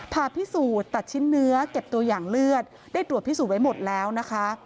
ผ่าพิสูจน์ตัดชิ้นเนื้อเก็บตัวอย่างเลือดได้ตรวจพิสูจนไว้หมดแล้วนะคะ